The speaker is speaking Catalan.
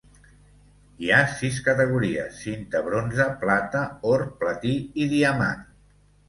Hi ha sis categories: cinta, bronze, plata, or, platí i diamant.